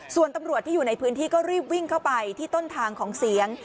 ส่วนตำรวจที่อยู่ในพื้นที่ก็รีบวิ่งเข้าไปที่ต้นทางของเสียง